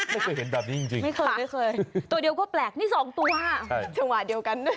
ไม่เคยตัวเดียวก็แปลกนี่สองตัวชะหวะเดียวกัน